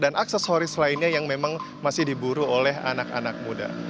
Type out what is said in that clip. dan juga aksesoris lainnya yang memang masih diburu oleh anak anak muda